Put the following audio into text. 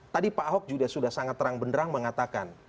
tadi pak ahok juga sudah sangat terang benderang mengatakan